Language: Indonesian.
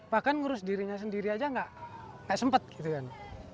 bahkan ngurus dirinya sendiri aja nggak sempat gitu kan